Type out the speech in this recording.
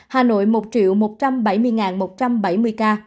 hà nội một một trăm một mươi một ca